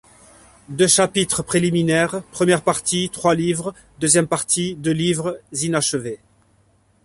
deux chapitres préliminaires, premier partie : trois livres ; deuxième partie : deux livres inachevés.